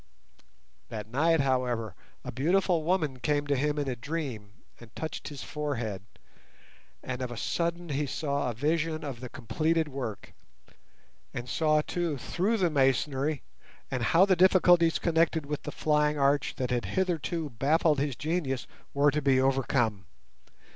That night, however, a beautiful woman came to him in a dream and touched his forehead, and of a sudden he saw a vision of the completed work, and saw too through the masonry and how the difficulties connected with the flying arch that had hitherto baffled his genius were to be overcome.